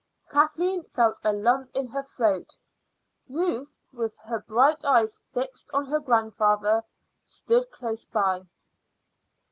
Kathleen felt a lump in her throat. Ruth, with her bright eyes fixed on her grandfather, stood close by.